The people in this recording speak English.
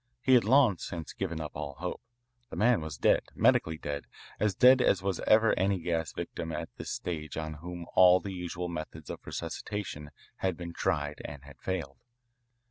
He had long since given up all hope. The man was dead, medically dead, as dead as ever was any gas victim at this stage on whom all the usual methods of resuscitation had been tried and had failed.